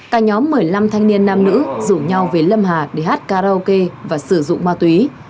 cả nhóm một mươi năm thanh niên nam nữ rủ nhau về lâm hà để hát karaoke và sử dụng ma túy